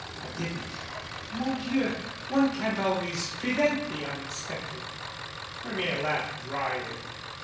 I didn't. Mon Dieu, one can't always prevent the unexpected." 96 Hermia laughed dryly.